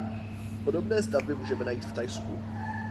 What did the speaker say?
Podobné stavby můžeme najít v Thajsku.